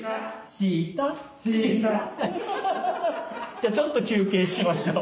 じゃあちょっと休憩しましょう。